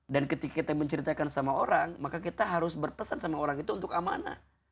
dan ketika kita menceritakan sama orang maka kita harus berpesan sama orang itu untuk amanah